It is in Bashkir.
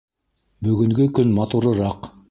Бөгөнгө көн матурыраҡ.